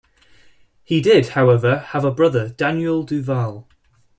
He did however have a brother Daniel Du Val.